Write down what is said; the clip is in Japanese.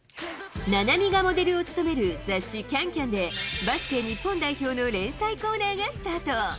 菜波がモデルを務める雑誌、ＣａｎＣａｍで、バスケ日本代表の連載コーナーがスタート。